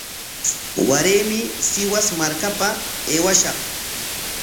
Waraymi Sihus markapa aywashaq.